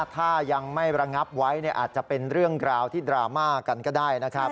ถ้ายังไม่ระงับไว้อาจจะเป็นเรื่องราวที่ดราม่ากันก็ได้นะครับ